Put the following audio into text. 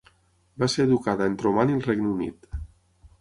Va ser educada entre Oman i el Regne Unit.